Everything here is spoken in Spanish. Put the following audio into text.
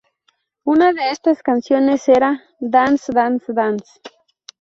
Una de estas canciones era "Dance, Dance, Dance".